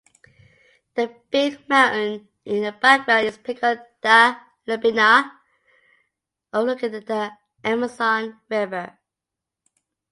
The big mountain in the background is Pico da Neblina, overlooking the Amazon River.